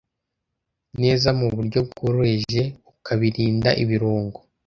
neza mu buryo bworoheje ukabirinda ibirungo